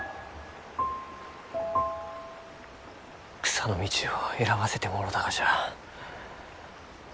草の道を選ばせてもろうたがじゃ。